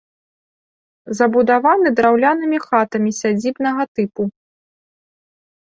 Забудаваны драўлянымі хатамі сядзібнага тыпу.